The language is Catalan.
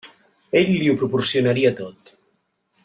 Ell li ho proporcionaria tot.